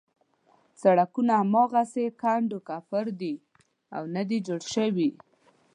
سړکونه هماغسې کنډو کپر دي او نه دي جوړ شوي.